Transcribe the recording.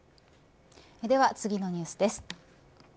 では、次のニュースです。